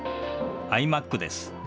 ｉＭａｃです。